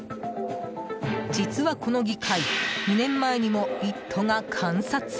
実は、この議会２年前にも「イット！」が観察。